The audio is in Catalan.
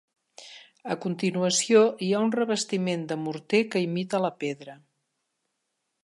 A continuació hi ha un revestiment de morter que imita la pedra.